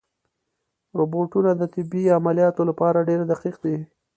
روبوټونه د طبي عملیاتو لپاره ډېر دقیق دي.